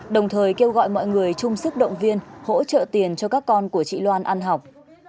đồng thời kêu gọi mọi người chung sức động viên hỗ trợ tiền cho các con của chị loan ăn học